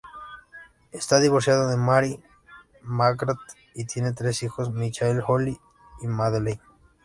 Está divorciado de Mary T. McGrath y tiene tres hijos: Michael, Holly y Madeleine.